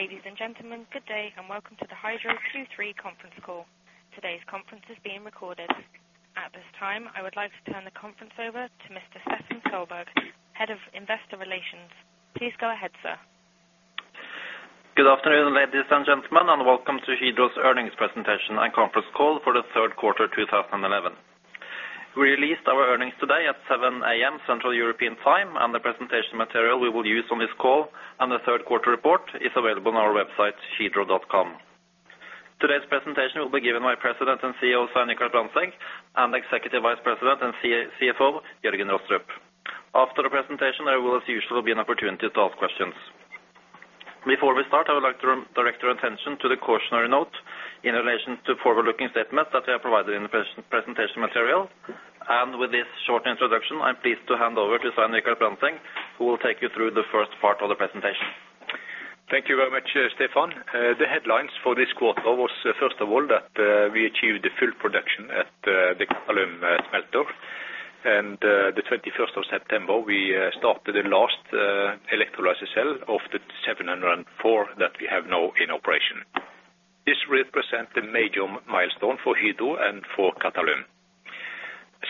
Ladies and gentlemen, good day, and welcome to the Hydro 23 conference call. Today's conference is being recorded. At this time, I would like to turn the conference over to Mr. Stefan Solberg, Head of Investor Relations. Please go ahead, sir. Good afternoon, ladies and gentlemen, and welcome to Hydro's earnings presentation and conference call for the Q3 2011. We released our earnings today at 7:00 A.M. Central European Time, and the presentation material we will use on this call and the Q3 report is available on our website, hydro.com. Today's presentation will be given by President and CEO Svein Richard Brandtzæg and Executive Vice President and CFO Jørgen Rostrup. After the presentation, there will, as usual, be an opportunity to ask questions. Before we start, I would like to direct your attention to the cautionary note in relation to forward-looking statements that we have provided in the presentation material. With this short introduction, I'm pleased to hand over to Svein Richard Brandtzæg, who will take you through the first part of the presentation. Thank you very much, Stefan. The headlines for this quarter was, first of all, that we achieved the full production at the Qatalum smelter. The twenty-first of September, we started the last electrolysis cell of the 704 that we have now in operation. This represent a major milestone for Hydro and for Qatalum.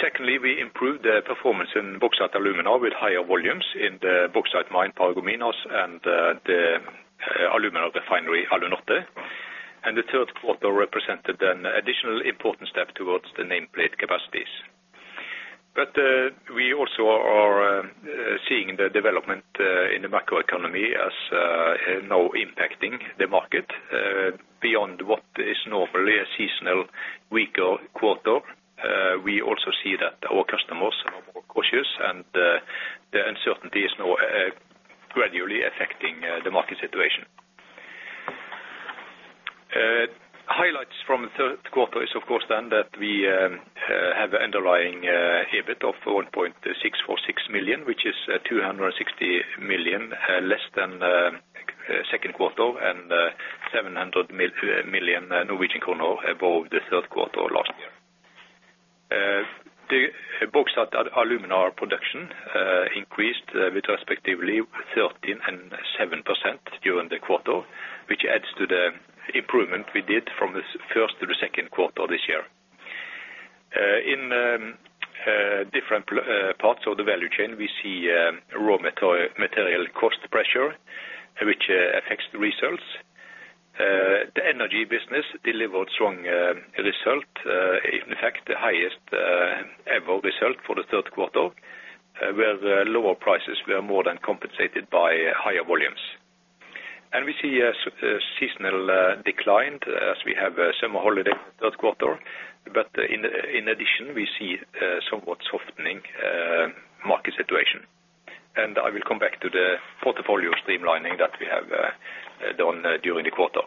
Secondly, we improved the performance in Bauxite Alumina with higher volumes in the bauxite mine, Paragominas, and the aluminum refinery, Alunorte. The Q3 represented an additional important step towards the nameplate capacities. We also are seeing the development in the macroeconomy as now impacting the market beyond what is normally a seasonal weaker quarter. We also see that our customers are now more cautious and the uncertainty is now gradually affecting the market situation. Highlights from the Q3 is of course then that we have an underlying EBIT of 1.646 million, which is 260 million less than Q2 and 700 million Norwegian kroner above the Q3 last year. The bauxite and alumina production increased with respectively 13% and 7% during the quarter, which adds to the improvement we did from the first to the Q2 this year. In different parts of the value chain, we see raw material cost pressure, which affects the results. The energy business delivered strong result. In fact, the highest ever result for the Q3, where the lower prices were more than compensated by higher volumes. We see a seasonal decline as we have summer holiday Q3. In addition, we see a somewhat softening market situation. I will come back to the portfolio streamlining that we have done during the quarter.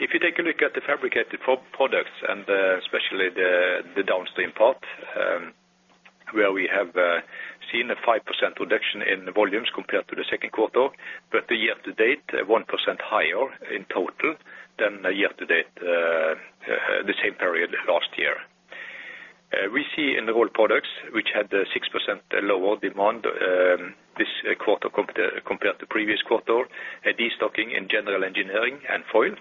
If you take a look at the fabricated products, especially the downstream part, where we have seen a 5% reduction in volumes compared to the Q2, but the year to date, 1% higher in total than the year to date the same period last year. We see in the rolled products, which had a 6% lower demand this quarter compared to previous quarter, a destocking in general engineering and foil.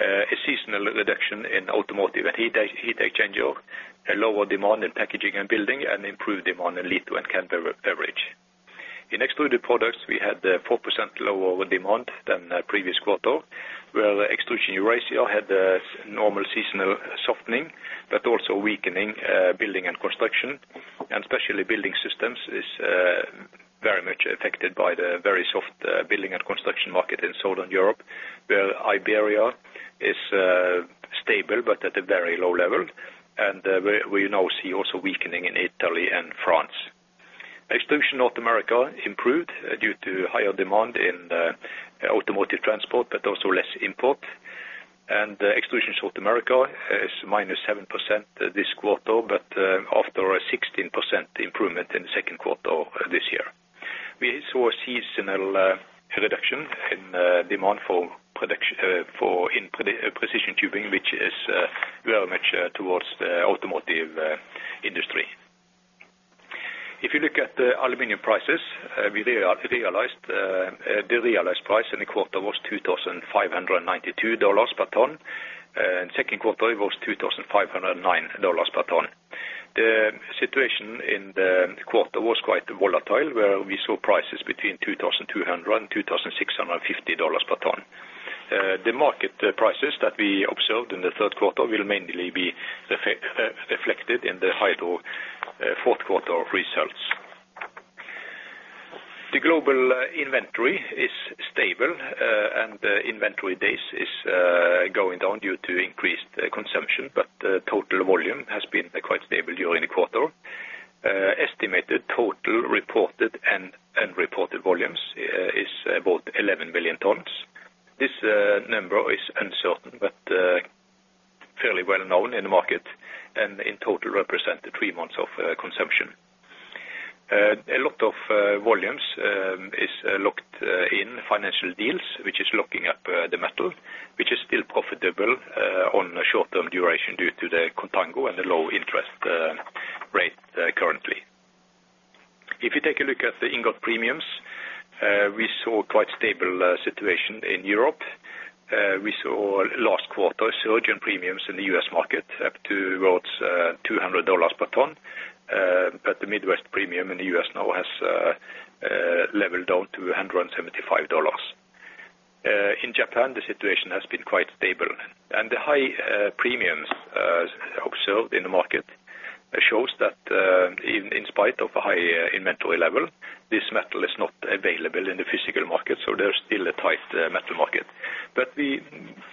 A seasonal reduction in automotive and heat exchanger, a lower demand in packaging and building, and improved demand in litho and can beverage. In extruded products, we had 4% lower demand than previous quarter, where Extrusion Eurasia had a normal seasonal softening, but also weakening building and construction. Especially Building Systems is very much affected by the very soft building and construction market in Southern Europe, where Iberia is stable but at a very low level. We now see also weakening in Italy and France. Extrusion North America improved due to higher demand in automotive transport, but also less import. Extrusion South America is -7% this quarter, but after a 16% improvement in the Q2 this year. We saw a seasonal reduction in demand for products in precision tubing, which is very much toward the automotive industry. If you look at the aluminum prices, we realized the realized price in the quarter was $2,592 per ton. In Q2 it was $2,509 per ton. The situation in the quarter was quite volatile, where we saw prices between $2,200 and $2,650 per ton. The market prices that we observed in the Q3 will mainly be reflected in the Hydro Q4 results. The global inventory is stable, and inventory days is going down due to increased consumption, but total volume has been quite stable during the quarter. Estimated total reported and unreported volumes is about 11 billion tons. This number is uncertain but fairly well known in the market, and in total represent the 3 months of consumption. A lot of volumes is locked in financial deals, which is locking up the metal, which is still profitable on a short-term duration due to the contango and the low interest rate current environment. If you take a look at the ingot premiums, we saw quite stable situation in Europe. We saw last quarter surging premiums in the U.S. market up towards $200 per ton. The Midwest premium in the U.S. now has leveled down to $175. In Japan, the situation has been quite stable, and the high premiums observed in the market shows that in spite of a high inventory level, this metal is not available in the physical market, so there's still a tight metal market.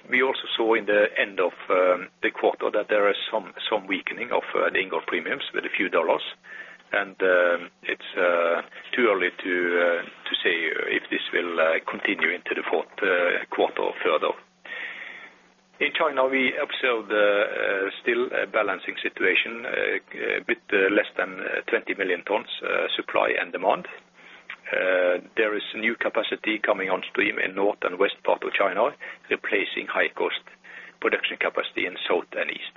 We also saw in the end of the quarter that there are some weakening of the ingot premiums with a few dollars. It's too early to say if this will continue into the quarter further. In China, we observed still a balancing situation, a bit less than 20 million tons, supply and demand. There is new capacity coming on stream in north and west part of China, replacing high cost production capacity in south and east.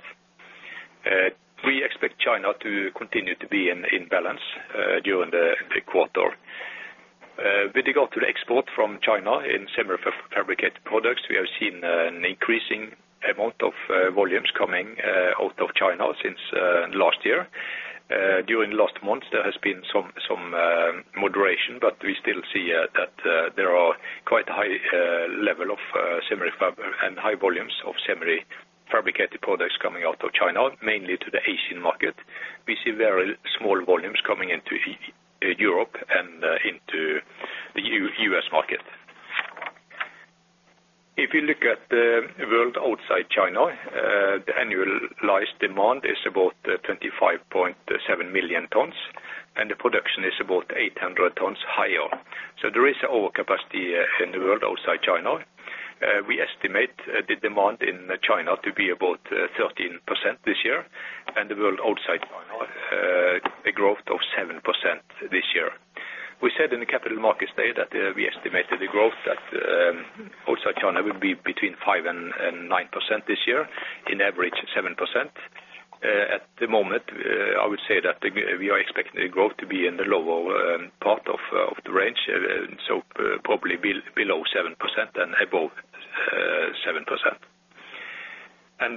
We expect China to continue to be in balance during the quarter. With regard to export from China in semi-fabricated products, we have seen an increasing amount of volumes coming out of China since last year. During last month, there has been some moderation, but we still see that there are quite high level of semi-fab and high volumes of semi-fabricated products coming out of China, mainly to the Asian market. We see very small volumes coming into Europe and into the U.S. market. If you look at the world outside China, the annualized demand is about 25.7 million tons, and the production is about 800 tons higher. There is overcapacity in the world outside China. We estimate the demand in China to be about 13% this year, and the world outside China a growth of 7% this year. We said in the Capital Markets Day that we estimated the growth outside China would be between 5% and 9% this year, on average, 7%. At the moment, I would say that we are expecting the growth to be in the lower part of the range, so probably below 7% and above 7%.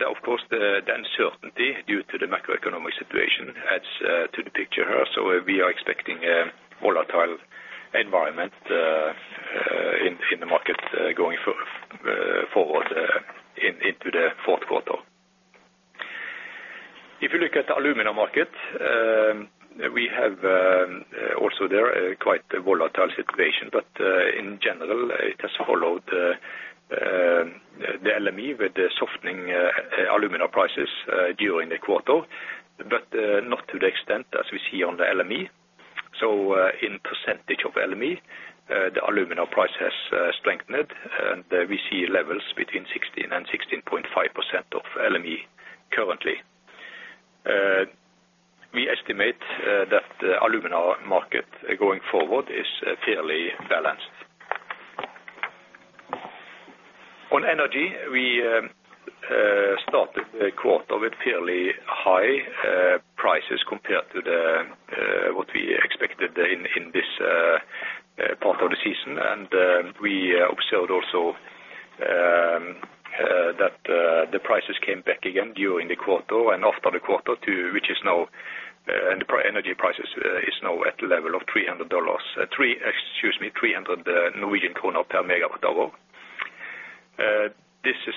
Of course, the uncertainty due to the macroeconomic situation adds to the picture here. We are expecting a volatile environment in the markets going forward into the Q4. If you look at the alumina market, we have also there a quite volatile situation. In general, it has followed the LME with the softening alumina prices during the quarter, but not to the extent as we see on the LME. As a percentage of LME, the alumina price has strengthened, and we see levels between 16 and 16.5% of LME currently. We estimate that the alumina market going forward is fairly balanced. On energy, we started the quarter with fairly high prices compared to what we expected in this part of the season. We observed also that the prices came back again during the quarter and after the quarter to what it is now, and the energy prices is now at level of $300. Excuse me, 300 Norwegian kroner per megawatt-hour. This is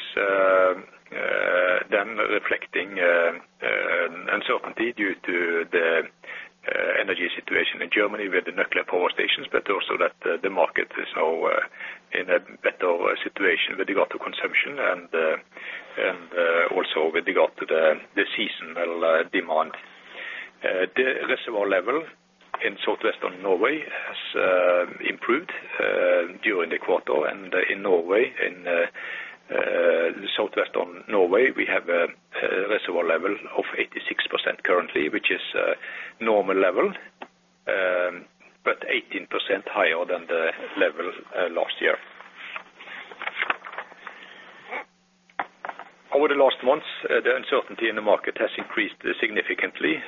then reflecting uncertainty due to the energy situation in Germany with the nuclear power stations, but also that the market is now in a better situation with regard to consumption and also with regard to the seasonal demand. The reservoir level in southwest Norway has improved during the quarter and in Norway. In the southwest Norway, we have a reservoir level of 86% currently, which is normal level, but 18% higher than the level last year. Over the last months, the uncertainty in the market has increased significantly.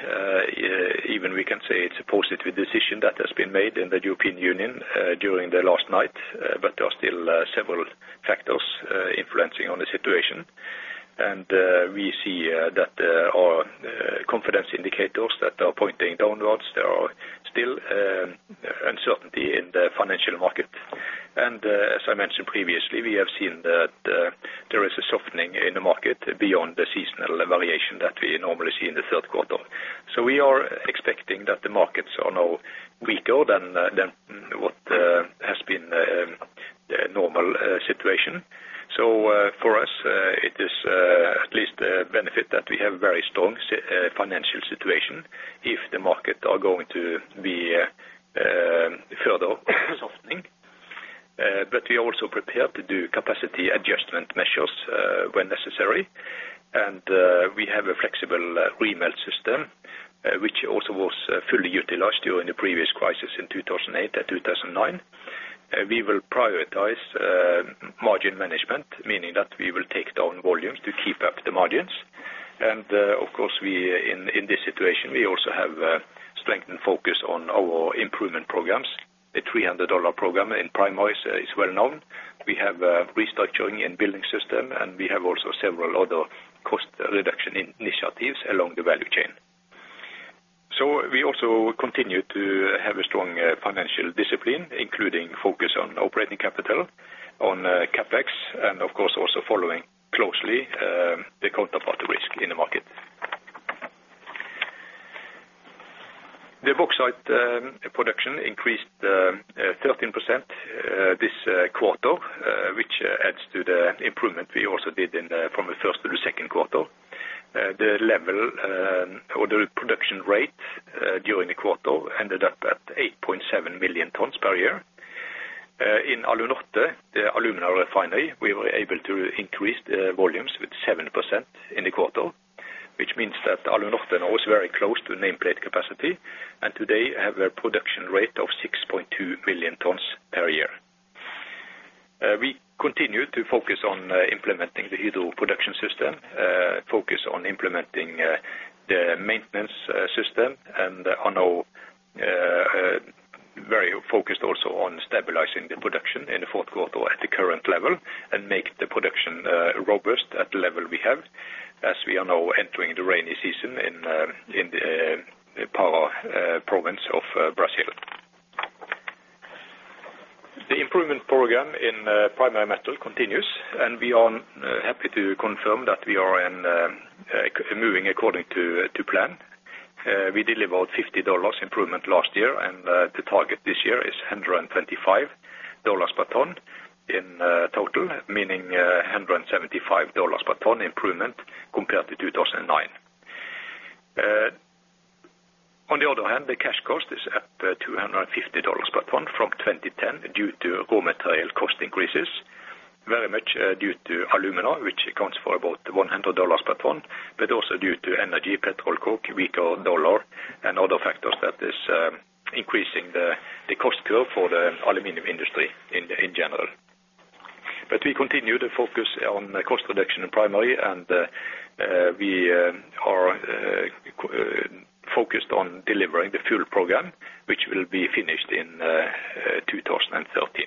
Even we can say it's a positive decision that has been made in the European Union during the last night, but there are still several factors influencing on the situation. We see that our confidence indicators that are pointing downwards. There are still uncertainty in the financial market. As I mentioned previously, we have seen that there is a softening in the market beyond the seasonal variation that we normally see in the Q3. We are expecting that the markets are now weaker than what has been normal situation. For us, it is at least a benefit that we have very strong financial situation if the market are going to be further softening. We are also prepared to do capacity adjustment measures when necessary. We have a flexible remelt system which also was fully utilized during the previous crisis, 2008 and 2009. We will prioritize margin management, meaning that we will take down volumes to keep up the margins. Of course we, in this situation, we also have strengthened focus on our improvement programs. The $300 program in Primary Metal is well known. We have restructuring and Building Systems, and we have also several other cost reduction initiatives along the value chain. We also continue to have a strong financial discipline, including focus on operating capital, on CapEx, and of course, also following closely the counterparty risk in the market. The bauxite production increased 13% this quarter, which adds to the improvement we also did from the first to the Q2. The level or the production rate during the quarter ended up at 8.7 million tons per year. In Alunorte, the alumina refinery, we were able to increase the volumes with 7% in the quarter, which means that Alunorte now is very close to nameplate capacity, and today have a production rate of 6.2 million tons per year. We continue to focus on implementing the Hydro Production System, the maintenance system and are now very focused also on stabilizing the production in the Q4 at the current level and make the production robust at the level we have as we are now entering the rainy season in the Pará province of Brazil. The improvement program in Primary Metal continues, and we are happy to confirm that we are moving according to plan. We delivered $50 improvement last year, and the target this year is $125 per ton in total, meaning $175 per ton improvement compared to 2009. On the other hand, the cash cost is at $250 per ton from 2010 due to raw material cost increases, very much due to alumina, which accounts for about $100 per ton, but also due to energy, petcoke, weaker dollar and other factors that is increasing the cost curve for the aluminum industry in general. We continue to focus on cost reduction in Primary and we are focused on delivering the $300 Programme, which will be finished in 2013.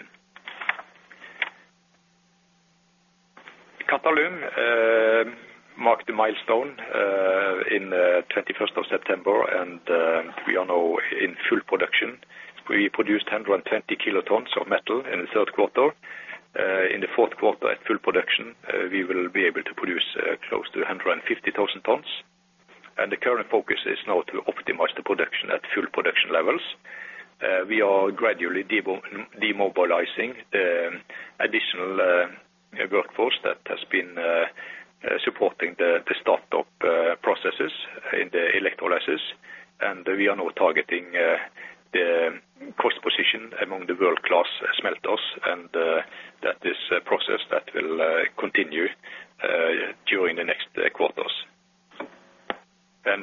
Qatalum marked a milestone in 21st of September, and we are now in full production. We produced 120 kilotons of metal in the Q3. In the Q4 at full production, we will be able to produce close to 150,000 tons. The current focus is now to optimize the production at full production levels. We are gradually demobilizing additional workforce that has been supporting the start-up processes in the electrolysis. We are now targeting the cost position among the world-class smelters, and that is a process that will continue during the next quarters.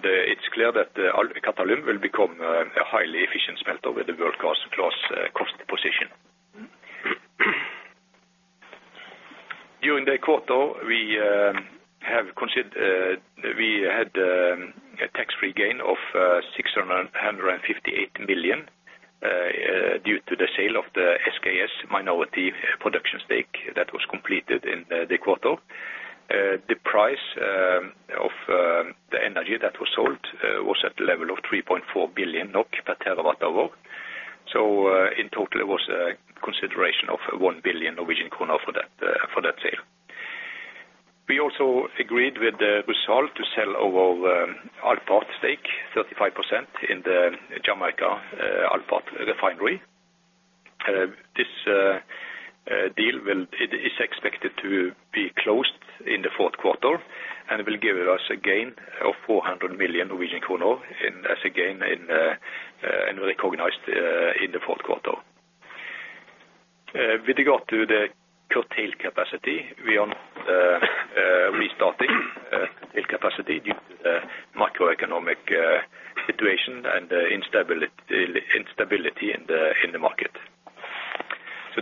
It's clear that Qatalum will become a highly efficient smelter with the world-class cost position. During the quarter, we had a tax-free gain of 658 million due to the sale of the SKS minority production stake that was completed in the quarter. The price of the energy that was sold was at the level of 3.4 billion NOK per terawatt hour. In total, it was a consideration of 1 billion Norwegian kroner for that sale. We also agreed to sell our Alpart stake, 35% in the Jamaica Alpart refinery. This deal is expected to be closed in the Q4 and will give us a gain of 400 million Norwegian kroner, as a gain recognized in the Q4. With regard to the curtail capacity, we are restarting the capacity due to the macroeconomic situation and instability in the market.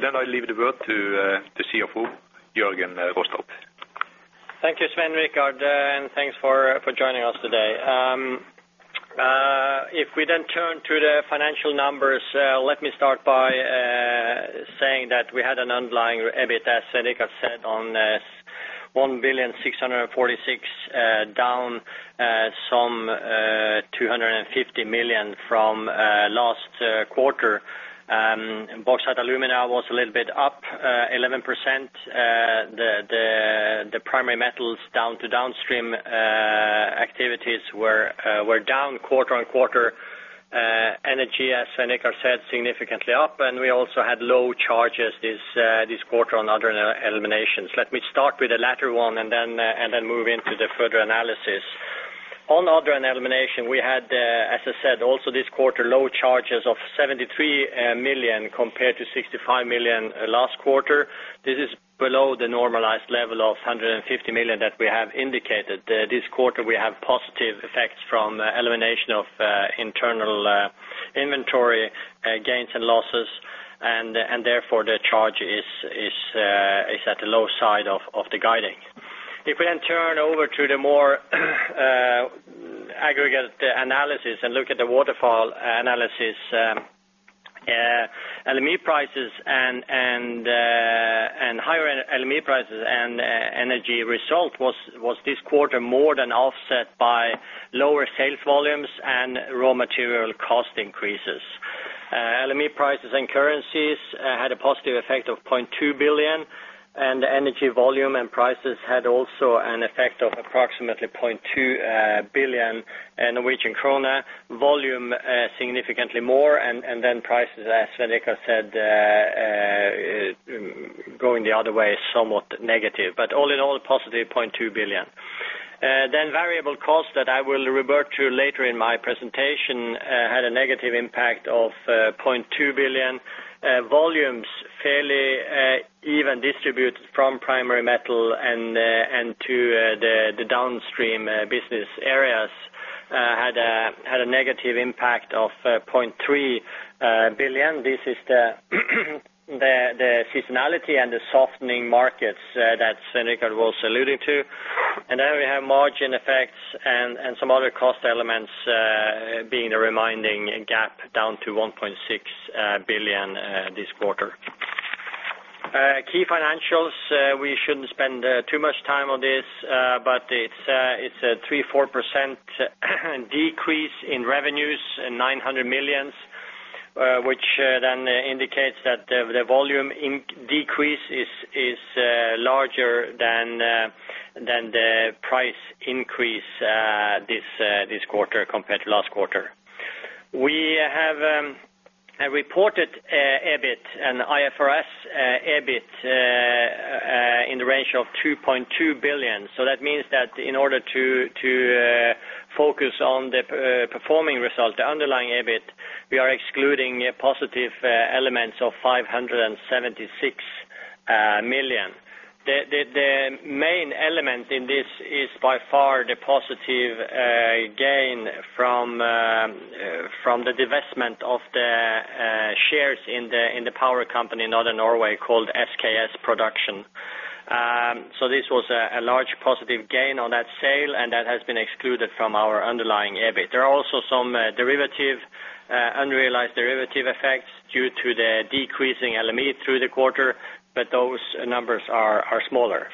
I leave the word to CFO Jørgen C. Arentz Rostrup. Thank you, Svein Richard, and thanks for joining us today. If we turn to the financial numbers, let me start by saying that we had an underlying EBITA, as Svein Richard said, of 1,646 million, down 250 million from last quarter. Bauxite & Alumina was a little bit up 11%. The Primary Metal down to downstream activities were down quarter-on-quarter. Energy, as Svein Richard said, significantly up, and we also had low charges this quarter on other eliminations. Let me start with the latter one and then move into the further analysis. On other and elimination, we had, as I said, also this quarter, low charges of 73 million compared to 65 million last quarter. This is below the normalized level of 150 million that we have indicated. This quarter, we have positive effects from elimination of internal inventory gains and losses, and therefore the charge is off the guidance. If we then turn over to the more aggregate analysis and look at the waterfall analysis, LME prices and higher LME prices and energy result was this quarter more than offset by lower sales volumes and raw material cost increases. LME prices and currencies had a positive effect of 0.2 billion, and energy volume and prices had also an effect of approximately 0.2 billion in Norwegian krone. Volume significantly more and then prices, as Svein Richard said, going the other way somewhat negative, but all in all, positive 0.2 billion. Variable costs that I will revert to later in my presentation had a negative impact of 0.2 billion. Volumes fairly even distributed from Primary Metal and to the downstream business areas had a negative impact of 0.3 billion. This is the seasonality and the softening markets that Svein Richard was alluding to. We have margin effects and some other cost elements bringing the remaining gap down to 1.6 billion this quarter. Key financials, we shouldn't spend too much time on this, but it's a 3%–4% decrease in revenues, 900 million, which then indicates that the volume decrease is larger than the price increase, this quarter compared to last quarter. We have a reported EBIT and IFRS EBIT in the range of 2.2 billion. That means that in order to focus on the performing result, the underlying EBIT, we are excluding positive elements of 576 million. The main element in this is by far the positive gain from the divestment of the shares in the power company in Northern Norway called SKS Produksjon. This was a large positive gain on that sale, and that has been excluded from our underlying EBIT. There are also some unrealized derivative effects due to the decreasing LME through the quarter, but those numbers are smaller.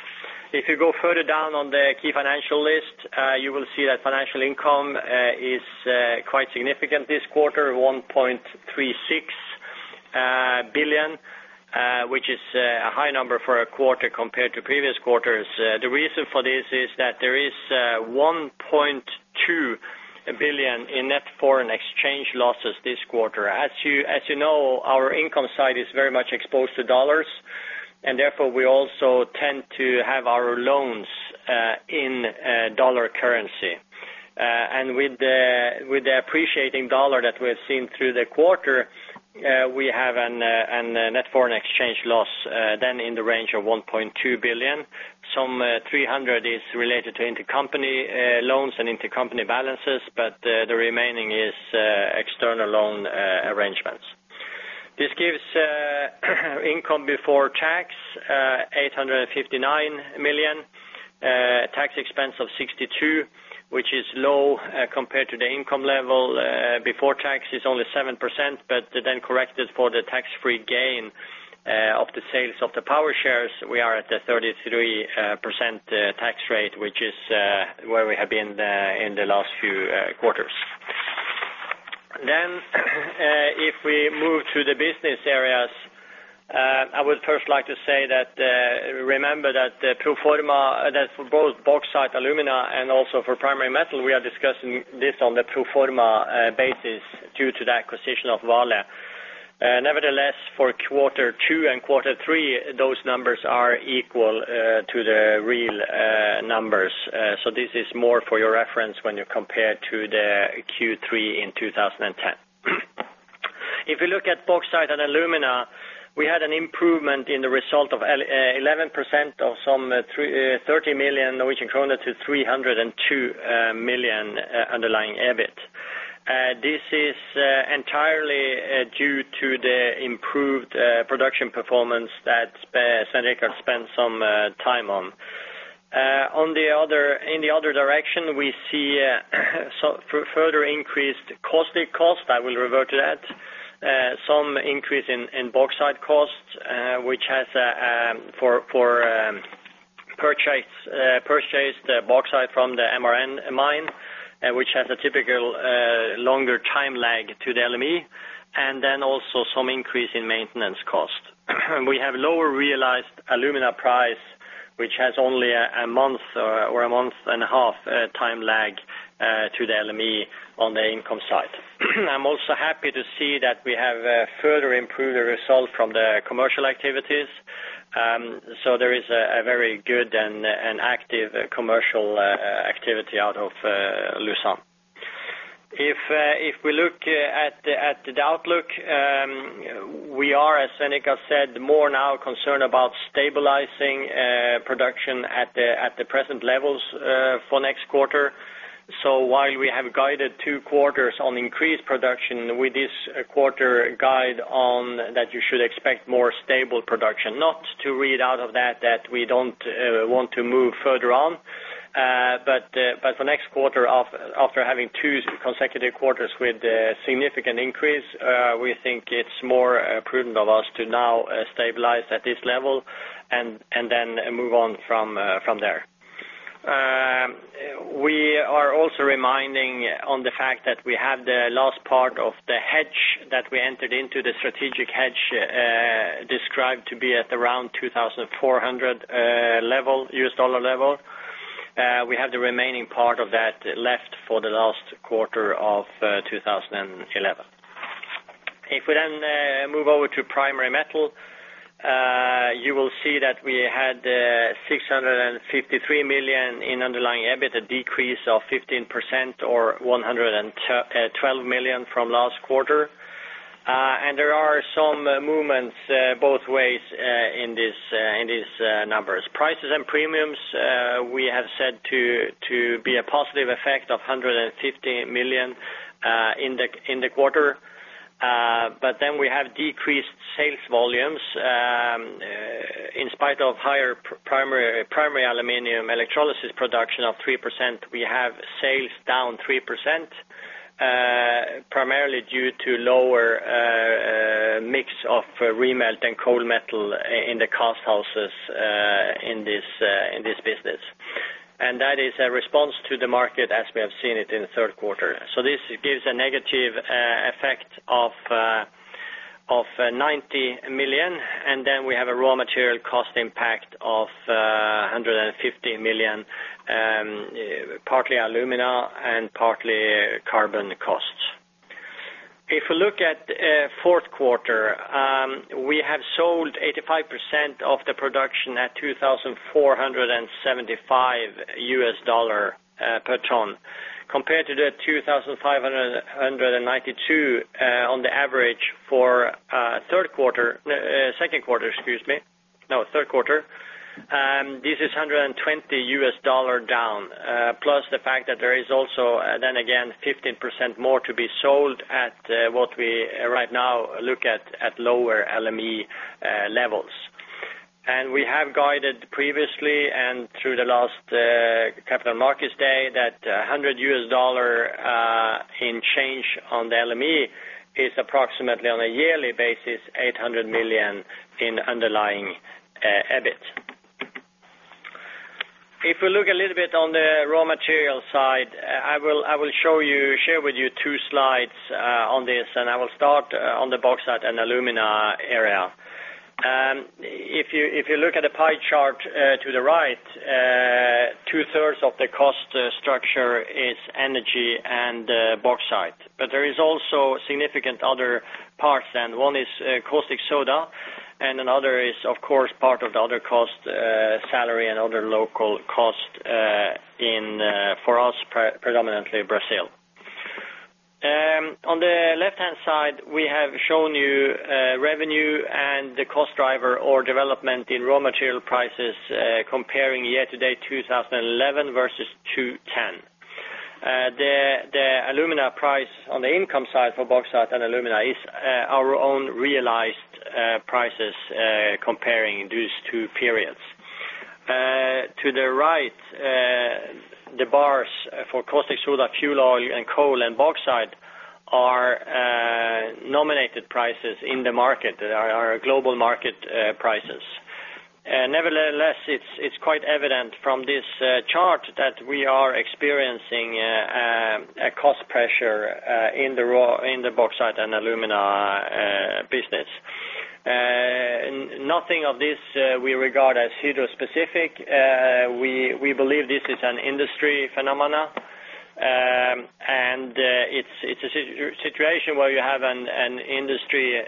If you go further down on the key financial list, you will see that financial income is quite significant this quarter, 1.36 billion, which is a high number for a quarter compared to previous quarters. The reason for this is that there is 1.2 billion in net foreign exchange losses this quarter. As you know, our income side is very much exposed to dollars, and therefore we also tend to have our loans in dollar currency. With the appreciating dollar that we're seeing through the quarter, we have a net foreign exchange loss in the range of 1.2 billion. Some 300 million is related to intercompany loans and intercompany balances, but the remaining is external loan arrangements. This gives income before tax 859 million, tax expense of 62 million, which is low compared to the income level before tax is only 7%, but then corrected for the tax-free gain of the sales of the power shares, we are at the 33% tax rate, which is where we have been in the last few quarters. If we move to the business areas, I would first like to say that, remember that the pro forma that for both bauxite, alumina and also for primary metal, we are discussing this on the pro forma basis due to the acquisition of Vale. Nevertheless, for quarter two and quarter three, those numbers are equal to the real numbers. This is more for your reference when you compare to the Q3 in 2010. If you look at bauxite and alumina, we had an improvement in the result of 11% of some 30 million–302 million Norwegian kroner underlying EBIT. This is entirely due to the improved production performance that Svein Richard Brandtzæg spent some time on. On the other, in the other direction, we see some further increased caustic costs. I will revert to that. Some increase in bauxite costs, which has for purchased bauxite from the MRN mine, which has a typical longer time lag to the LME, and then also some increase in maintenance costs. We have lower realized alumina price, which has only a month or a month and a half time lag to the LME on the income side. I'm also happy to see that we have further improved the result from the commercial activities. There is a very good and active commercial activity out of Lausanne. If we look at the outlook, we are, as Svein Richard Brandtzæg said, more now concerned about stabilizing production at the present levels for next quarter. While we have guided 2 quarters on increased production with this quarter guide on that you should expect more stable production, not to read out of that that we don't want to move further on. The next quarter after having 2 consecutive quarters with a significant increase, we think it's more prudent of us to now stabilize at this level and then move on from there. We are also reminding on the fact that we have the last part of the hedge that we entered into the strategic hedge described to be at around $2,400 level, U.S. dollar level. We have the remaining part of that left for the last quarter of 2011. If we then move over to Primary Metal, you will see that we had 653 million in underlying EBIT, a decrease of 15% or 112 million from last quarter. There are some movements both ways in these numbers. Prices and premiums we have said to be a positive effect of 150 million in the quarter. We have decreased sales volumes in spite of higher primary aluminum electrolysis production of 3%, we have sales down 3%, primarily due to lower mix of remelt and cold metal in the cast houses in this business. That is a response to the market as we have seen it in the Q3. This gives a negative effect of 90 million, and then we have a raw material cost impact of 150 million, partly alumina and partly carbon costs. If you look at Q4, we have sold 85% of the production at $2,475 per ton, compared to the 2,592 on the average for Q3. This is $120 down, plus the fact that there is also then again, 15% more to be sold at what we right now look at lower LME levels. We have guided previously and through the last capital markets day that $100 change on the LME is approximately on a yearly basis, 800 million in underlying EBIT. If we look a little bit on the raw material side, I will share with you two slides on this, and I will start on the bauxite and alumina area. If you look at the pie chart to the right, two-thirds of the cost structure is energy and bauxite. There is also significant other parts, and one is caustic soda, and another is of course part of the other cost, salary and other local costs in, for us, predominantly Brazil. On the left-hand side, we have shown you revenue and the cost driver or development in raw material prices, comparing year-to-date 2011 versus 2010. The alumina price on the income side for bauxite and alumina is our own realized prices, comparing these two periods. To the right, the bars for caustic soda, fuel oil, and coal and bauxite are nominated prices in the market, our global market prices. Nevertheless, it's quite evident from this chart that we are experiencing a cost pressure in the bauxite and alumina business. Nothing of this we regard as Hydro specific. We believe this is an industry phenomena. It's a situation where you have an industry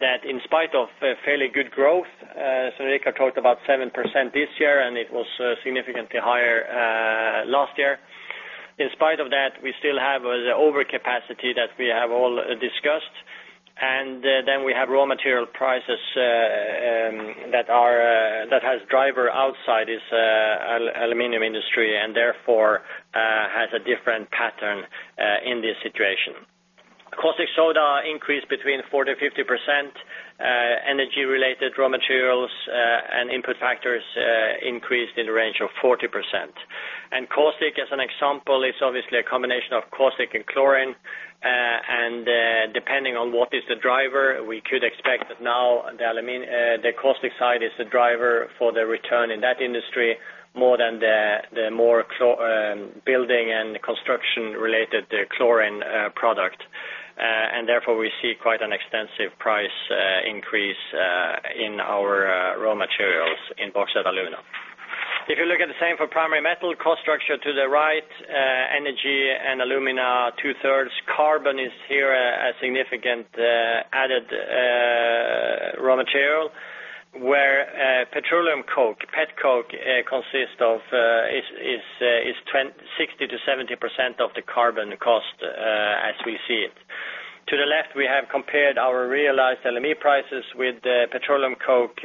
that in spite of fairly good growth, so Svein Richard talked about 7% this year, and it was significantly higher last year. In spite of that, we still have the overcapacity that we have all discussed. Then we have raw material prices that have drivers outside this aluminum industry and therefore have a different pattern in this situation. Caustic soda increased between 40%–50%, energy-related raw materials and input factors increased in the range of 40%. Caustic, as an example, is obviously a combination of caustic and chlorine. Depending on what is the driver, we could expect that now the caustic side is the driver for the return in that industry more than the building and construction related chlorine product. Therefore, we see quite an extensive price increase in our raw materials in bauxite and alumina. If you look at the same for Primary Metal cost structure to the right, energy and alumina two-thirds carbon is here a significant added raw material, where petroleum coke, petcoke, consists of 60%–70% of the carbon cost, as we see it. To the left, we have compared our realized LME prices with the petroleum coke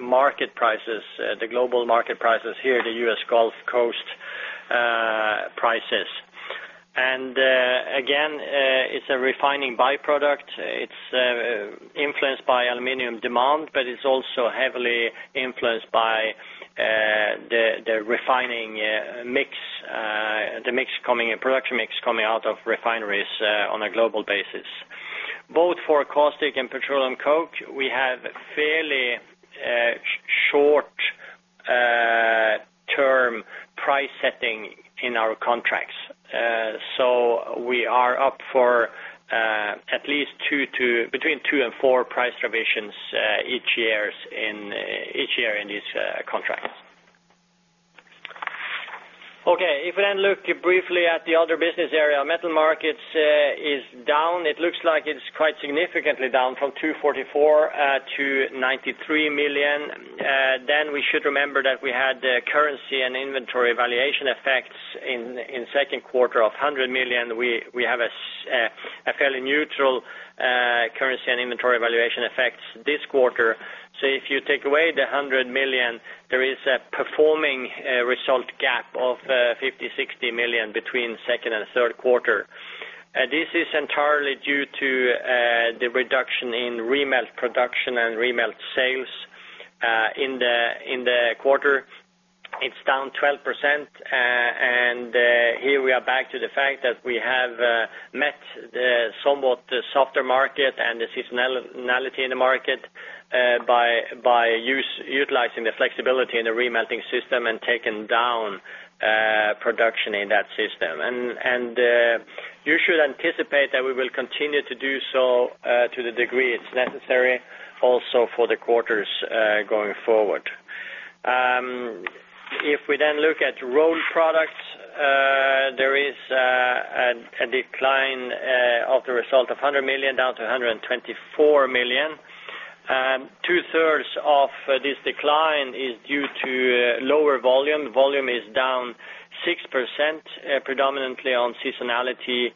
market prices, the global market prices here, the U.S. Gulf Coast prices. Again, it's a refining by-product. It's influenced by aluminum demand, but it's also heavily influenced by the refining mix, the mix coming in, production mix coming out of refineries on a global basis. Both for caustic and petroleum coke, we have fairly short term price setting in our contracts. We are up for between 2 and 4 price revisions each year in these contracts. Okay, if we look briefly at the other business area, metal markets, is down. It looks like it's quite significantly down from 244 million–93 million. We should remember that we had the currency and inventory valuation effects in Q2 of 100 million. We have a fairly neutral currency and inventory valuation effects this quarter. If you take away the 100 million, there is a performing result gap of 50 million–60 million between second and Q3. This is entirely due to the reduction in re-melt production and re-melt sales in the quarter. It's down 12%, and here we are back to the fact that we have met the somewhat softer market and the seasonality in the market by utilizing the flexibility in the re-melting system and taken down production in that system. You should anticipate that we will continue to do so to the degree it's necessary also for the quarters going forward. If we then look at rolled products, there is a decline in the result of 100 million down to 124 million. Two-thirds of this decline is due to lower volume. Volume is down 6%, predominantly on seasonality,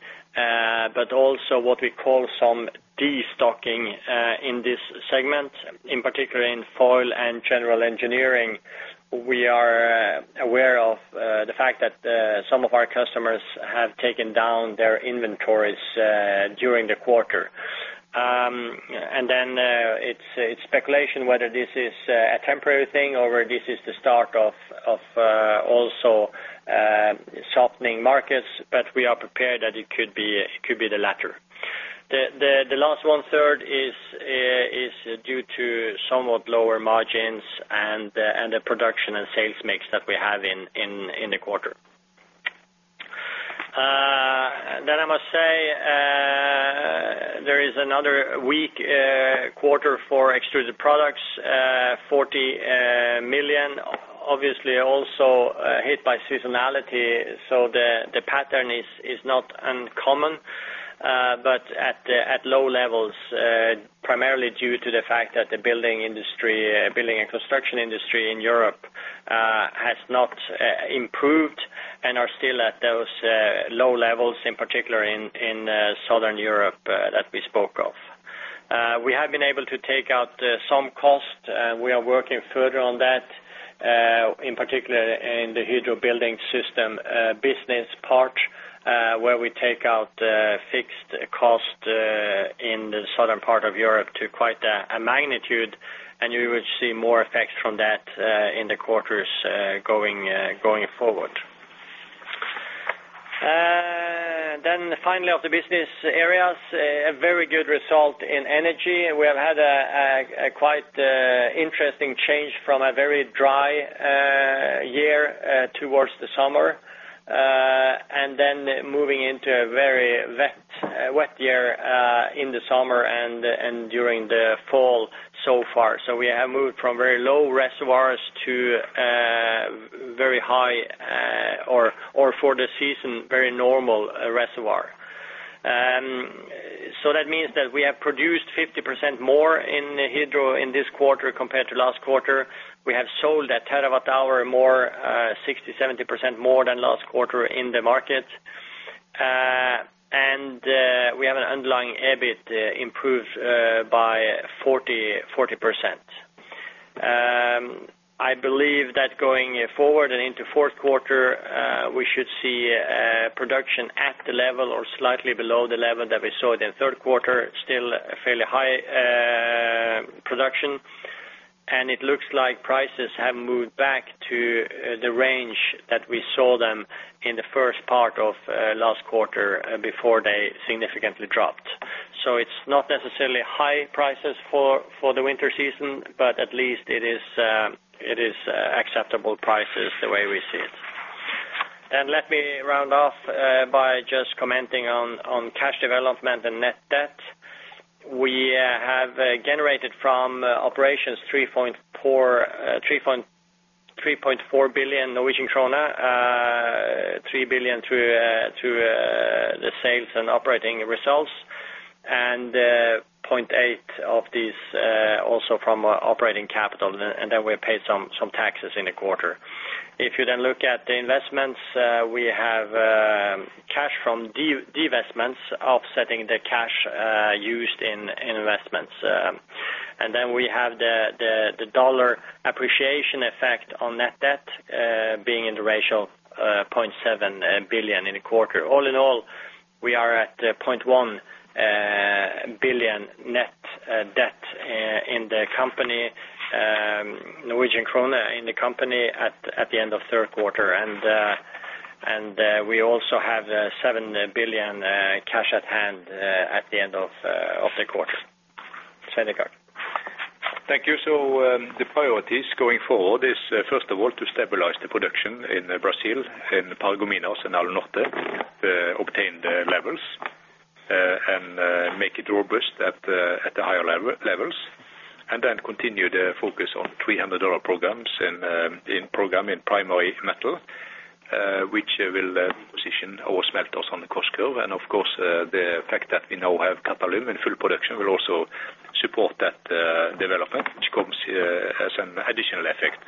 but also what we call some de-stocking in this segment, in particular in foil and general engineering. We are aware of the fact that some of our customers have taken down their inventories during the quarter. It's speculation whether this is a temporary thing, or this is the start of also softening markets, but we are prepared that it could be the latter. The last one-third is due to somewhat lower margins and the production and sales mix that we have in the quarter. I must say, there is another weak quarter for Extruded Products, 40 million, obviously also hit by seasonality. The pattern is not uncommon, but at low levels, primarily due to the fact that the building industry, building and construction industry in Europe, has not improved and are still at those low levels, in particular in Southern Europe, that we spoke of. We have been able to take out some cost, and we are working further on that, in particular in the Hydro Building Systems business part, where we take out fixed cost, in the southern part of Europe to quite a magnitude, and you will see more effects from that, in the quarters going forward. Finally of the business areas, a very good result in energy. We have had a quite interesting change from a very dry year towards the summer, and then moving into a very wet year in the summer and during the fall so far. We have moved from very low reservoirs to very high, or for the season, very normal reservoir. That means that we have produced 50% more in Hydro in this quarter compared to last quarter. We have sold 1 terawatt hour more, 60%–70% more than last quarter in the market. We have an underlying EBIT improved by 40%. I believe that going forward and into Q4, we should see production at the level or slightly below the level that we saw it in Q3, still a fairly high production. It looks like prices have moved back to the range that we saw them in the first part of last quarter before they significantly dropped. It's not necessarily high prices for the winter season, but at least it is acceptable prices the way we see it. Let me round off by just commenting on cash development and net debt. We have generated from operations 3.4 billion Norwegian krone. 3 billion through the sales and operating results, and 0.8 of these also from operating capital, and then we paid some taxes in the quarter. If you then look at the investments, we have the divestments offsetting the cash used in investments. And then we have the dollar appreciation effect on net debt, being in the ratio of 0.7 billion in a quarter. All in all, we are at 0.1 billion net debt in the company, Norwegian kroner in the company at the end of Q3. We also have 7 billion cash at hand at the end of the quarter. Svein Richard? Thank you. The priorities going forward is, first of all, to stabilize the production in Brazil, in Paragominas and Alunorte, obtain the levels, and make it robust at the higher levels. Continue the focus on $300 programs and the program in Primary Metal, which will position our smelters on the cost curve. Of course, the fact that we now have Qatalum in full production will also support that development, which comes as an additional effect.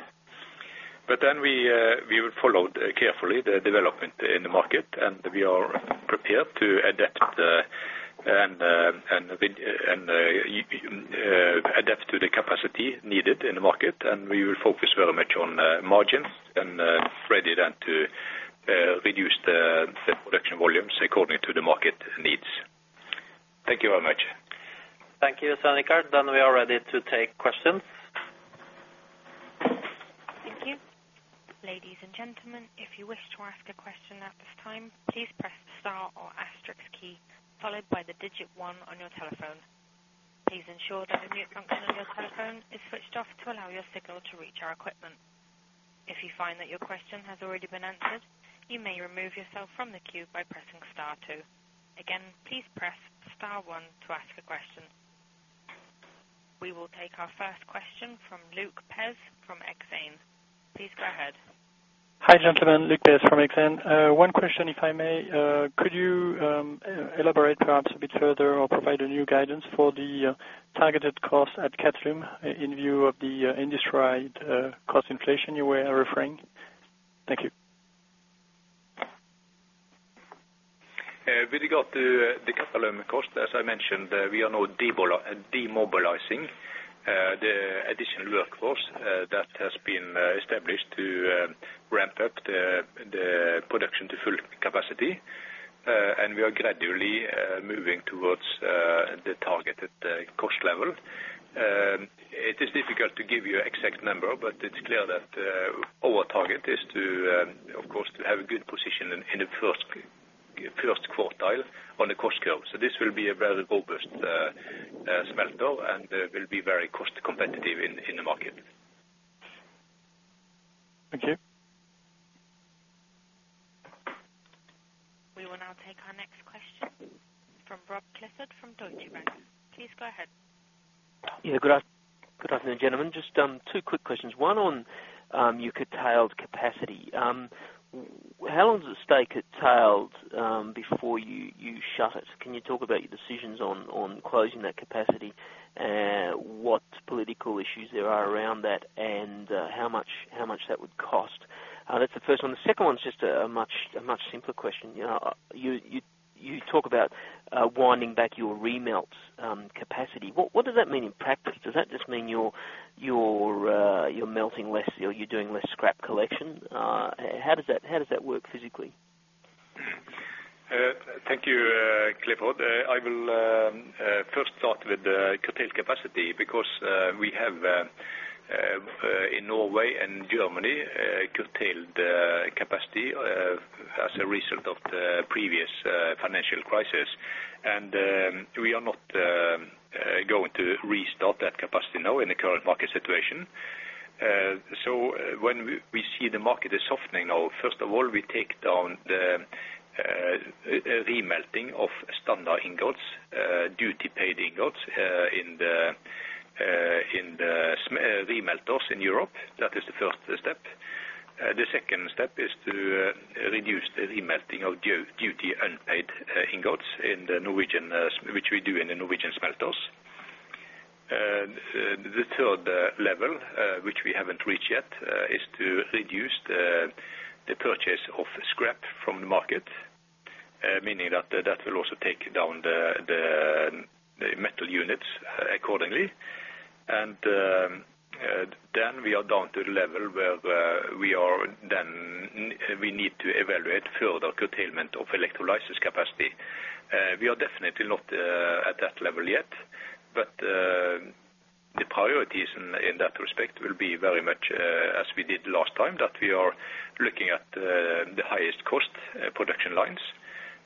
We will follow carefully the development in the market, and we are prepared to adapt to the capacity needed in the market. We will focus very much on margins and ready then to reduce the production volumes according to the market needs. Thank you very much. Thank you, Svein Richard Brandtzæg. We are ready to take questions. Thank you. Ladies and gentlemen, if you wish to ask a question at this time, please press star or asterisk key followed by the digit one on your telephone. Please ensure that the mute function on your telephone is switched off to allow your signal to reach our equipment. If you find that your question has already been answered, you may remove yourself from the queue by pressing star two. Again, please press star one to ask a question. We will take our first question from Luc Pez from Exane. Please go ahead. Hi, gentlemen. Luc Pez from Exane. One question if I may. Could you elaborate perhaps a bit further or provide a new guidance for the targeted cost at Alpart in view of the industry-wide cost inflation you were referring? Thank you. With regard to the Qatalum cost, as I mentioned, we are now demobilizing the additional workforce that has been established to ramp up the production to full capacity. We are gradually moving towards the target at the cost level. It is difficult to give you exact number, but it's clear that our target is to of course to have a good position in the first quartile on the cost curve. This will be a very robust smelter and will be very cost competitive in the market. Thank you. We will now take our next question from Robert Clifford from Deutsche Bank. Please go ahead. Yeah. Good afternoon, gentlemen. Just two quick questions. One on you curtailed capacity. How long does it stay curtailed before you shut it? Can you talk about your decisions on closing that capacity, what political issues there are around that, and how much that would cost? That's the first one. The second one's just a much simpler question. You know, you talk about winding back your remelts capacity. What does that mean in practice? Does that just mean you're melting less or you're doing less scrap collection? How does that work physically? Thank you, Clifford. I will first start with the curtailed capacity because we have in Norway and Germany curtailed capacity as a result of the previous financial crisis. We are not going to restart that capacity now in the current market situation. When we see the market is softening now, first of all, we take down the remelting of standard ingots, duty paid ingots, in the remelters in Europe. That is the first step. The second step is to reduce the remelting of duty unpaid ingots in the Norwegian smelters, which we do in the Norwegian smelters. The third level, which we haven't reached yet, is to reduce the purchase of scrap from the market, meaning that will also take down the metal units accordingly. Then we are down to the level where we need to evaluate further curtailment of electrolysis capacity. We are definitely not at that level yet, but the priorities in that respect will be very much as we did last time, that we are looking at the highest cost production lines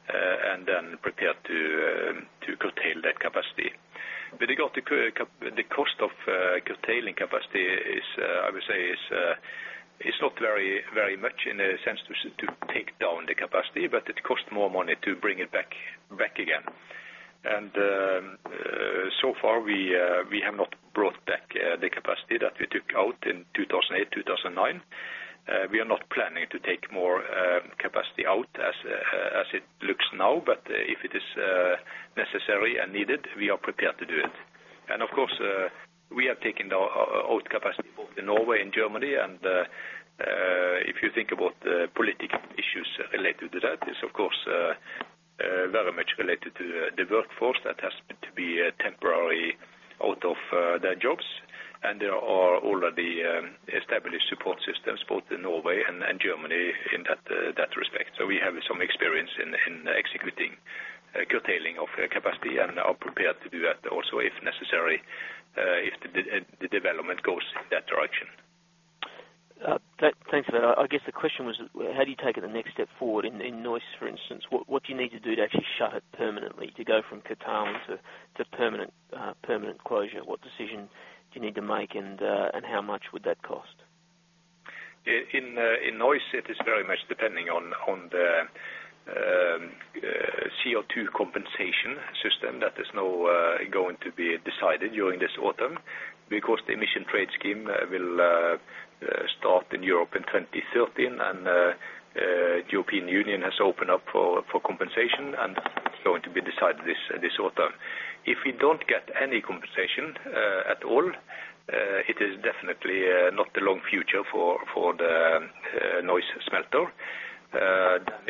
and then prepared to curtail that capacity. With regard to the cost of curtailing capacity, I would say it is not very much in a sense to take down the capacity, but it costs more money to bring it back again. So far we have not brought back the capacity that we took out in 2008, 2009. We are not planning to take more capacity out as it looks now. If it is necessary and needed, we are prepared to do it. Of course, we have taken out capacity both in Norway and Germany. If you think about the political issues related to that, it is of course very much related to the workforce that has to be temporarily out of their jobs. There are already established support systems both in Norway and Germany in that respect. We have some experience in executing curtailing of capacity and are prepared to do that also if necessary if the development goes in that direction. Thanks for that. I guess the question was, how do you take it the next step forward? In Neuss, for instance, what do you need to do to actually shut it permanently, to go from curtailing to permanent closure? What decision do you need to make and how much would that cost? In Neuss, it is very much depending on the CO2 compensation system that is now going to be decided during this autumn. Because the Emissions Trading System will start in Europe in 2013 and European Union has opened up for compensation, and it's going to be decided this autumn. If we don't get any compensation at all, it is definitely not the long future for the Neuss smelter.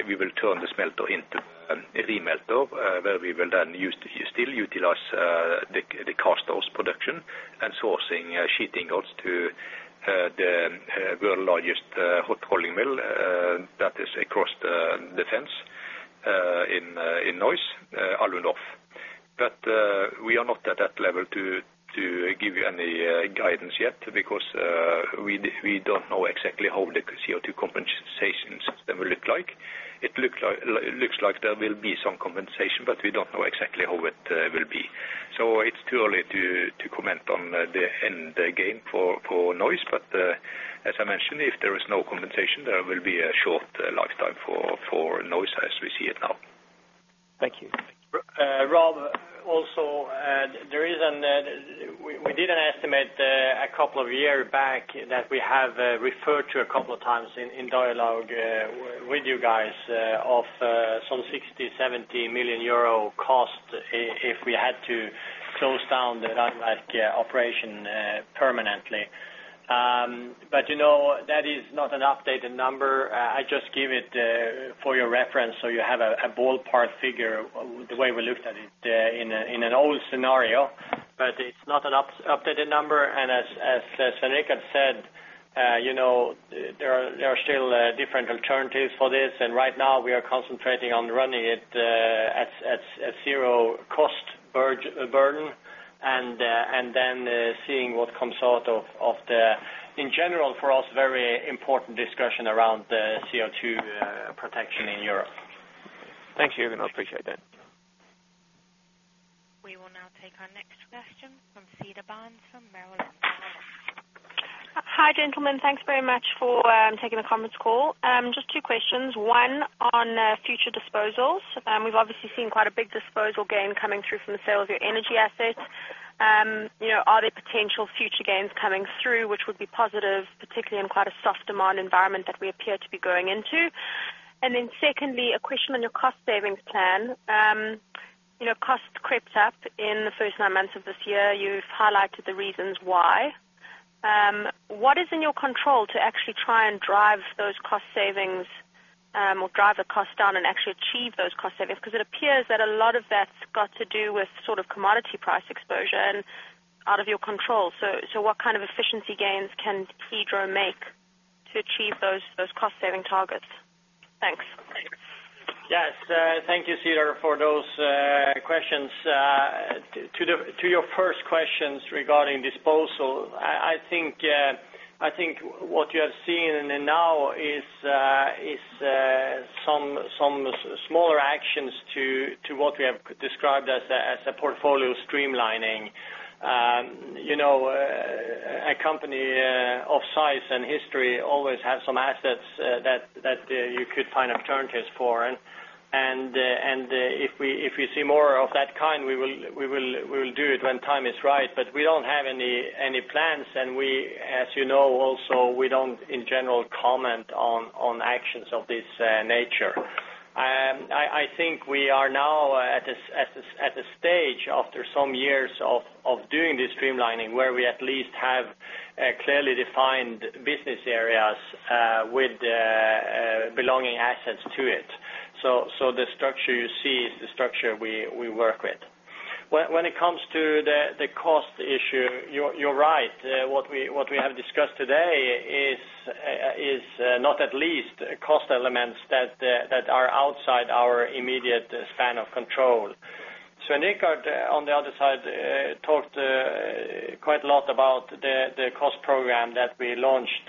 We will turn the smelter into a re-smelter, where we will then use the steel, utilize the cast house production and sourcing sheeting onto the world's largest hot rolling mill, that is across the fence in Neuss in Norf. We are not at that level to give you any guidance yet because we don't know exactly how the CO2 compensation system will look like. It looks like there will be some compensation, but we don't know exactly how it will be. It's too early to comment on the end game for Neuss. As I mentioned, if there is no compensation, there will be a short lifetime for Neuss as we see it now. Thank you. Rob, also, the reason that we did an estimate a couple of years back that we have referred to a couple of times in dialogue with you guys of some 60 million–70 million euro cost if we had to close down the operation permanently. You know, that is not an updated number. I just give it for your reference, so you have a ballpark figure the way we looked at it in an old scenario, but it's not an updated number. As Svein Richard said, you know, there are still different alternatives for this. Right now we are concentrating on running it at zero cost burden and then seeing what comes out of the, in general for us, very important discussion around the CO2 protection in Europe. Thank you, Jørgen. I appreciate that. We will now take our next question from Cédric de la Chapelle from Merrill Lynch. Hi, gentlemen. Thanks very much for taking the conference call. Just two questions. One, on future disposals. We've obviously seen quite a big disposal gain coming through from the sale of your energy assets. You know, are there potential future gains coming through which would be positive, particularly in quite a soft demand environment that we appear to be going into? Secondly, a question on your cost savings plan. You know, cost crept up in the first nine months of this year. You've highlighted the reasons why. What is in your control to actually try and drive those cost savings, or drive the costs down and actually achieve those cost savings? Because it appears that a lot of that's got to do with sort of commodity price exposure and out of your control. What kind of efficiency gains can Hydro make to achieve those cost saving targets? Thanks. Yes, thank you, Cédric de la Chapelle, for those questions. To your first questions regarding disposal, I think what you have seen now is some smaller actions to what we have described as a portfolio streamlining. You know, a company of size and history always have some assets that you could find alternatives for. If we see more of that kind, we will do it when time is right. We don't have any plans. We, as you know also, don't in general comment on actions of this nature. I think we are now at this stage after some years of doing this streamlining, where we at least have clearly defined business areas with belonging assets to it. The structure you see is the structure we work with. When it comes to the cost issue, you're right. What we have discussed today is not at least cost elements that are outside our immediate span of control. Svein Richard Brandtzæg, on the other side, talked quite a lot about the cost program that we launched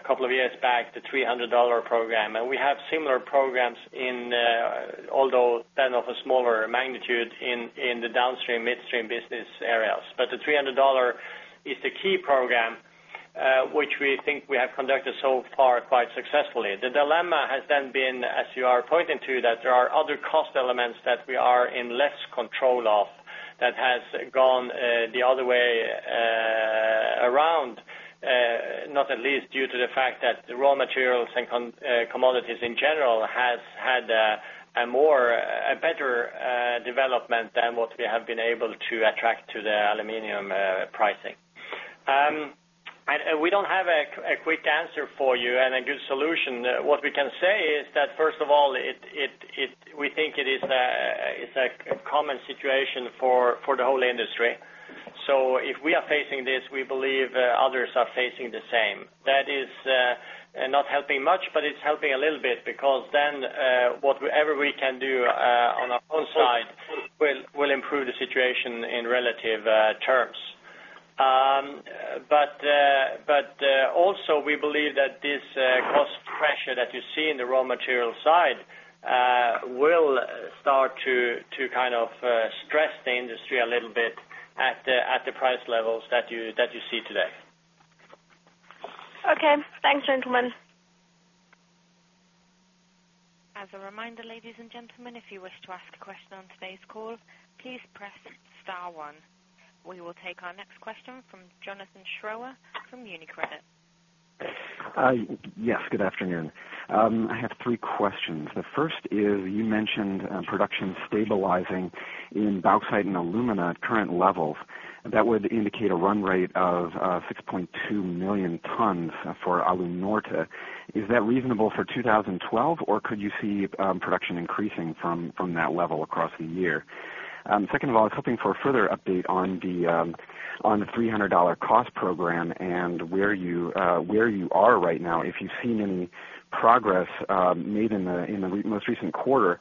a couple of years back, the $300 program. We have similar programs in, although then of a smaller magnitude in, the downstream, midstream business areas. The $300 program, which we think we have conducted so far quite successfully. The dilemma has then been, as you are pointing to, that there are other cost elements that we are in less control of that has gone the other way around, not least due to the fact that the raw materials and commodities in general has had a better development than what we have been able to attract to the aluminum pricing. We don't have a quick answer for you and a good solution. What we can say is that first of all it. We think it is a common situation for the whole industry. If we are facing this, we believe others are facing the same. That is not helping much, but it's helping a little bit because then whatever we can do on our own side will improve the situation in relative terms. Also we believe that this cost pressure that you see in the raw material side will start to kind of stress the industry a little bit at the price levels that you see today. Okay. Thanks, gentlemen. As a reminder, ladies and gentlemen, if you wish to ask a question on today's call, please press star one. We will take our next question from Jonathan Schroer from UniCredit. Yes, good afternoon. I have three questions. The first is you mentioned production stabilizing in bauxite and alumina at current levels. That would indicate a run rate of 6.2 million tons for Alunorte. Is that reasonable for 2012, or could you see production increasing from that level across the year? Second of all, I was hoping for a further update on the $300 cost program and where you are right now, if you've seen any progress made in the most recent quarter.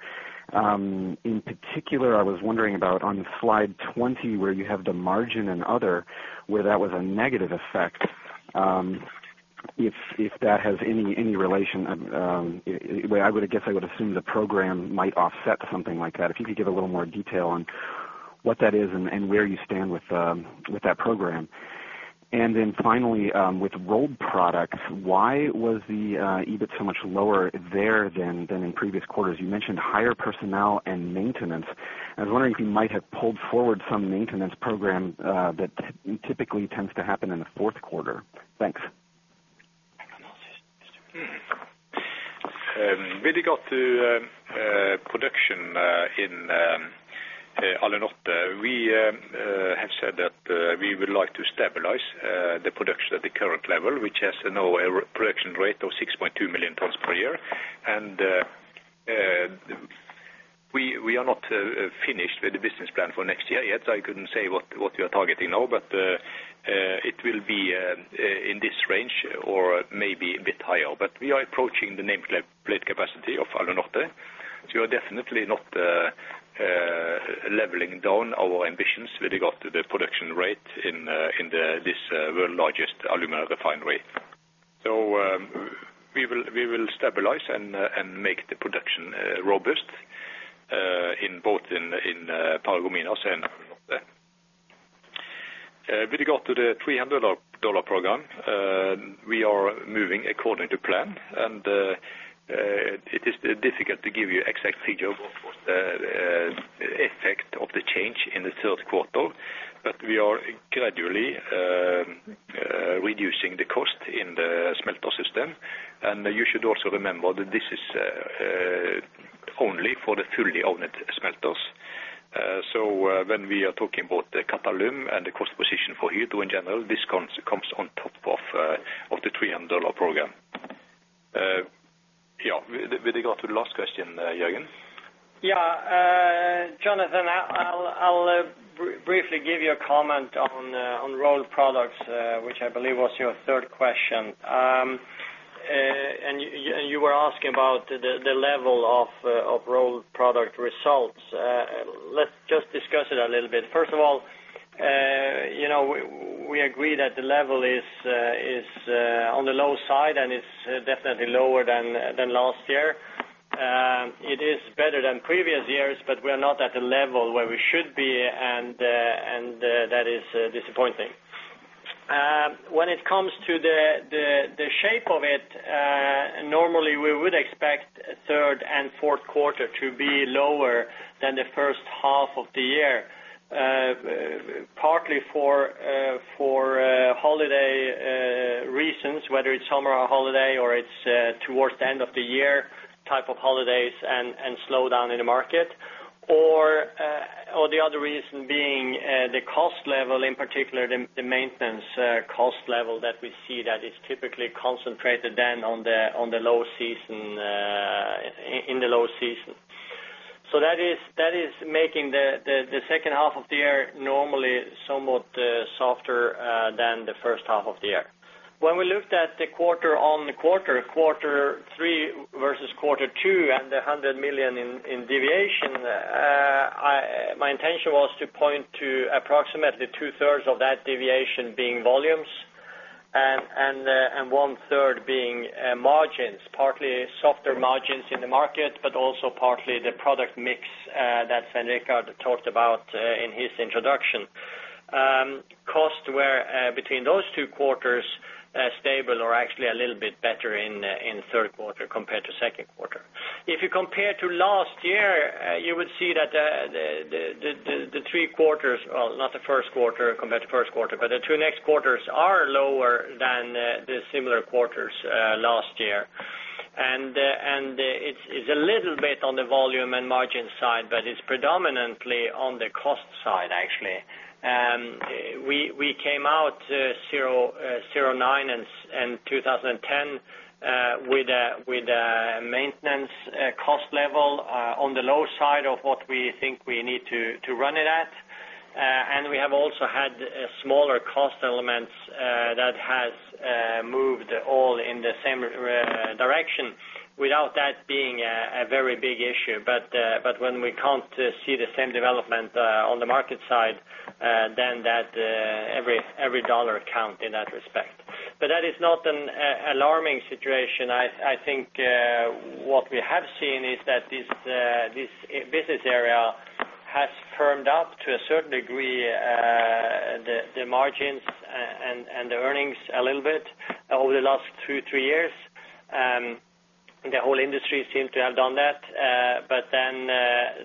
In particular, I was wondering about on slide 20, where you have the margin and other, where that was a negative effect, if that has any relation. Where I would guess, I would assume the program might offset something like that. If you could give a little more detail on what that is and where you stand with that program. Finally, with rolled products, why was the EBIT so much lower there than in previous quarters? You mentioned higher personnel and maintenance. I was wondering if you might have pulled forward some maintenance program that typically tends to happen in the Q4. Thanks. With regard to production in Alunorte, we have said that we would like to stabilize the production at the current level, which has now a production rate of 6.2 million tons per year. We are not finished with the business plan for next year yet, so I couldn't say what we are targeting now, but it will be in this range or maybe a bit higher. We are approaching the nameplate capacity of Alunorte, so we are definitely not leveling down our ambitions with regard to the production rate in this world's largest alumina refinery. We will stabilize and make the production robust in both Paragominas and Alunorte. With regard to the $300 program, we are moving according to plan, and it is difficult to give you exact figure of what was the effect of the change in the Q3. We are gradually reducing the cost in the smelter system. You should also remember that this is only for the fully owned smelters. When we are talking about the Qatalum and the cost position for Hydro in general, this comes on top of the $300 program. Yeah, with regard to the last question, Jørgen. Yeah. Jonathan, I'll briefly give you a comment on rolled products, which I believe was your third question. You were asking about the level of rolled product results. Let's just discuss it a little bit. First of all, you know, we agree that the level is on the low side, and it's definitely lower than last year. It is better than previous years, but we are not at the level where we should be, and that is disappointing. When it comes to the shape of it, normally we would expect Q3 and Q4 to be lower than the first half of the year, partly for holiday reasons. Whether it's summer or holiday or it's towards the end of the year type of holidays and slowdown in the market. The other reason being the cost level, in particular the maintenance cost level that we see that is typically concentrated then on the low season, in the low season. That is making the second half of the year normally somewhat softer than the first half of the year. When we looked at the quarter-on-quarter, quarter three versus quarter two and the 100 million in deviation, my intention was to point to approximately two-thirds of that deviation being volumes and one-third being margins. Partly softer margins in the market, but also partly the product mix that Svein Richard Brandtzæg talked about in his introduction. Costs were, between those two quarters, stable or actually a little bit better in Q3 compared to Q2. If you compare to last year, you would see that the three quarters, or not the Q1 compared to Q1, but the two next quarters, are lower than the similar quarters last year. It's a little bit on the volume and margin side, but it's predominantly on the cost side, actually. We came out 2009 and 2010 with a maintenance cost level on the low side of what we think we need to run it at. We have also had a smaller cost elements that has moved all in the same direction. Without that being a very big issue. When we can't see the same development on the market side, then that every dollar count in that respect. That is not an alarming situation. I think what we have seen is that this business area has firmed up to a certain degree, the margins and the earnings a little bit over the last two, three years. The whole industry seemed to have done that.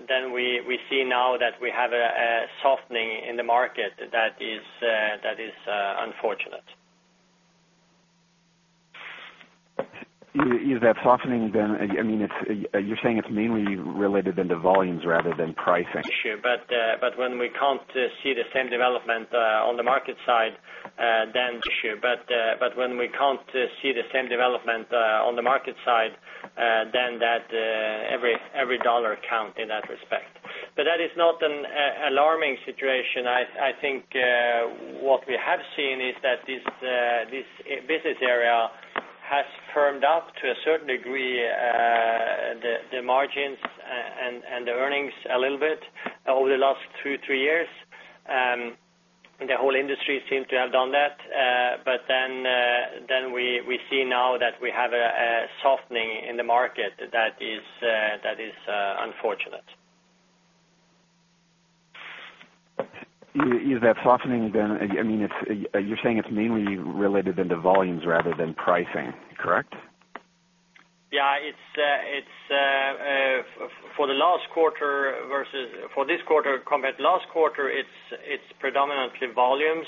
Then we see now that we have a softening in the market that is unfortunate. Is that softening then? I mean, it's, you're saying it's mainly related in the volumes rather than pricing. When we can't see the same development on the market side, then that every dollar counts in that respect. That is not an alarming situation. I think what we have seen is that this business area has firmed up to a certain degree, the margins and the earnings a little bit over the last two, three years. The whole industry seemed to have done that. We see now that we have a softening in the market that is unfortunate. Is that softening then? I mean, you're saying it's mainly related to the volumes rather than pricing, correct? Yeah. It's for the last quarter versus this quarter compared to last quarter, it's predominantly volumes.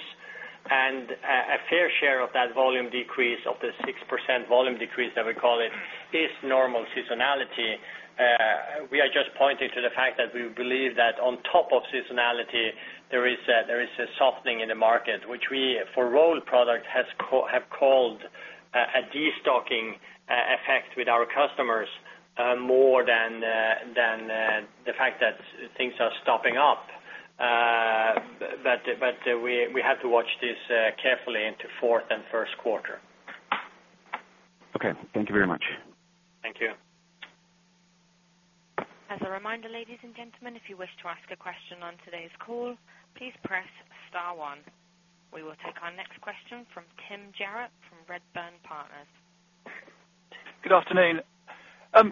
A fair share of that volume decrease, of the 6% volume decrease that we call it, is normal seasonality. We are just pointing to the fact that we believe that on top of seasonality, there is a softening in the market, which we for rolled product have called a destocking effect with our customers, more than the fact that things are stocking up. We have to watch this carefully into fourth and Q1. Okay. Thank you very much. Thank you. As a reminder, ladies and gentlemen, if you wish to ask a question on today's call, please press star one. We will take our next question from Tim Jarrett from Redburn Partners. Good afternoon.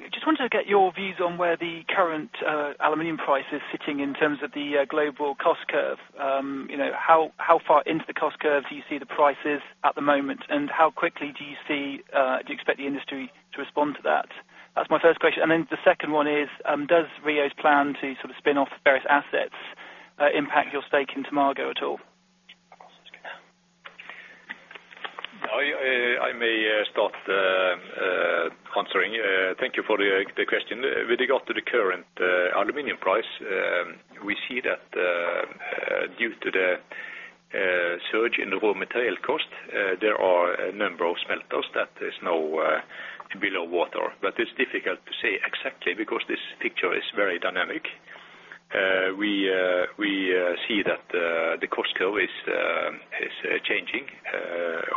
Just wanted to get your views on where the current aluminum price is sitting in terms of the global cost curve. You know, how far into the cost curve do you see the prices at the moment? And how quickly do you expect the industry to respond to that? That's my first question. And then the second one is, does Rio Tinto's plan to sort of spin off various assets impact your stake in Tomago at all? I may start answering. Thank you for the question. With regard to the current aluminum price, we see that due to the surge in the raw material cost, there are a number of smelters that is now below water. It's difficult to say exactly because this picture is very dynamic. We see that the cost curve is changing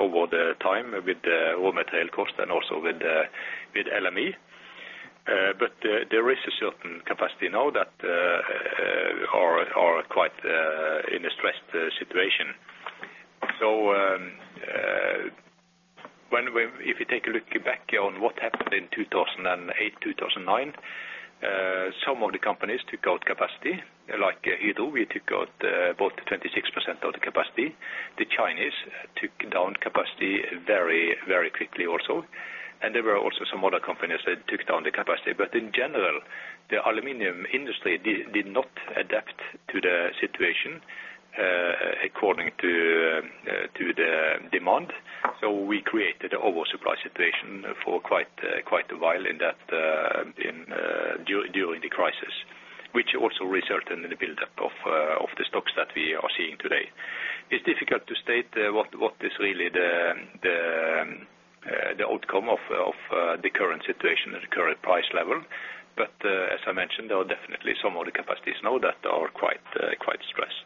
over the time with the raw material cost and also with LME. There is a certain capacity now that are quite in a stressed situation. If you take a look back on what happened in 2008, 2009, some of the companies took out capacity. Like Hydro, we took out about 26% of the capacity. The Chinese took down capacity very, very quickly also. There were also some other companies that took down the capacity. In general, the aluminum industry did not adapt to the situation according to the demand. We created an oversupply situation for quite a while during the crisis, which also resulted in the buildup of the stocks that we are seeing today. It's difficult to state what is really the outcome of the current situation at the current price level. As I mentioned, there are definitely some other capacities now that are quite stressed.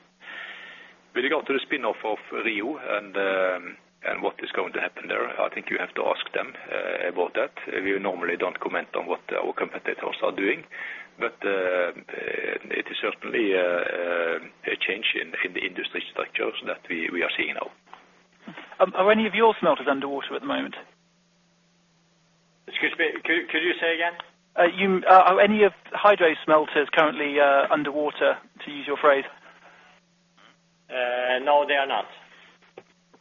With regard to the spin-off of Rio Tinto and what is going to happen there, I think you have to ask them about that. We normally don't comment on what our competitors are doing. It is certainly a change in the industry structures that we are seeing now. Are any of your smelters underwater at the moment? Excuse me, could you say again? Are any of Hydro's smelters currently underwater, to use your phrase? No, they are not.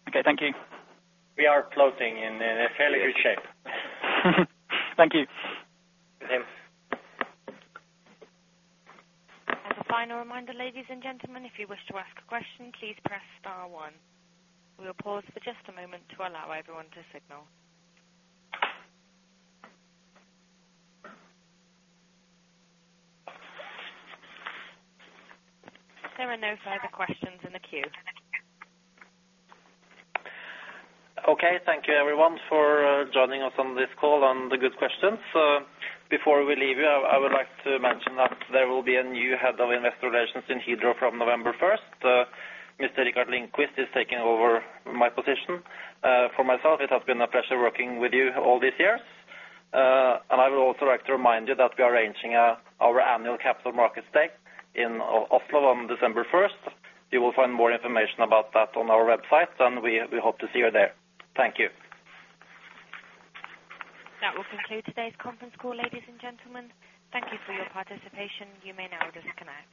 Okay. Thank you. We are floating and in a fairly good shape. Thank you. Thanks. As a final reminder, ladies and gentlemen, if you wish to ask a question, please press star one. We'll pause for just a moment to allow everyone to signal. There are no further questions in the queue. Okay. Thank you everyone for joining us on this call and the good questions. Before we leave you, I would like to mention that there will be a new head of investor relations in Hydro from November first. Mr. Richard Brandtzæg is taking over my position. For myself, it has been a pleasure working with you all these years. I would also like to remind you that we are arranging our annual capital markets day in Oslo on December first. You will find more information about that on our website, and we hope to see you there. Thank you. That will conclude today's conference call, ladies and gentlemen. Thank you for your participation. You may now disconnect.